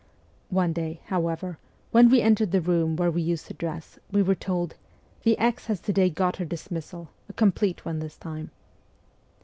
One day, however, when we entered the room where we used to dress, we were told, ' The X. has to day got her dismissal a complete one this time.'